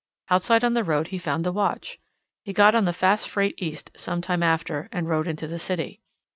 Outside on the road he found the watch. He got on the fast freight east, some time after, and rode into the city.